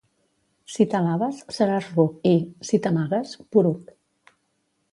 Si t'alabes, seràs ruc i, si t'amagues, poruc.